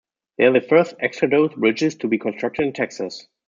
They are the first extradosed bridges to be constructed in Texas.